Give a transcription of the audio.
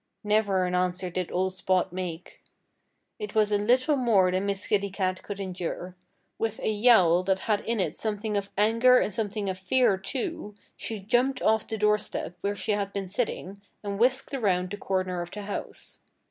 Never an answer did old Spot make. It was a little more than Miss Kitty Cat could endure. With a yowl that had in it something of anger and something of fear, too, she jumped off the doorstep where she had been sitting and whisked around the corner of the house.